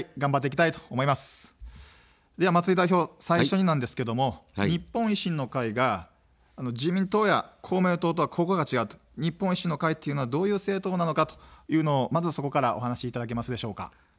では、松井代表、最初になんですけども日本維新の会が自民党や公明党とはここが違う、日本維新の会というのはどういう政党なのかというのをまずそこからお話しいただけますでしょうか。